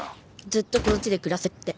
ずっとこっちで暮らせって。